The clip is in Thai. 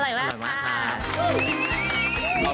อร่อยมากค่ะ